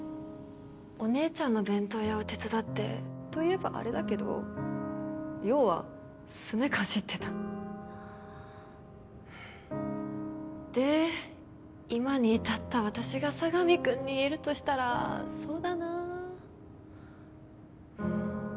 お姉ちゃんの弁当屋を手伝ってといえばアレだけど要はすねかじってたで今にいたった私が佐神くんに言えるとしたらそうだな